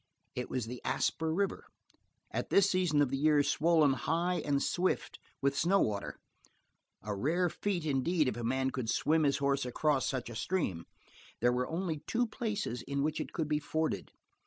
It was the Asper river, at this season of the year swollen high and swift with snow water a rare feat indeed if a man could swim his horse across such a stream. There were only two places in which it could be forded.